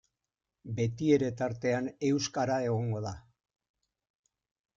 Betiere tartean euskara egongo da.